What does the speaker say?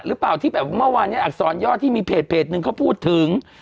หรือเปล่าที่แบบเมื่อวานเนี่ยอักษรยอดที่มีเพจนึงเขาพูดถึง